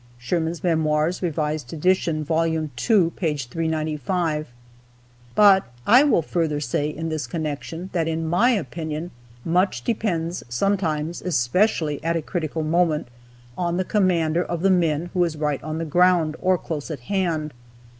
(Sherman's Memoirs, revised edition, Vol. 2, p. 395.) But, I will further say, in this connection, that, in my opinion, much depends, sometimes, especially at a critical moment, on the commander of the men who is right on the ground, or close at hand.